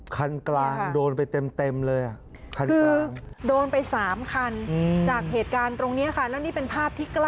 คันกลางโดนไปเต็มเลยค่ะ